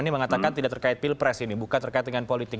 ini mengatakan tidak terkait pilpres ini bukan terkait dengan politik